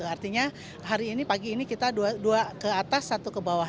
artinya hari ini pagi ini kita dua ke atas satu ke bawah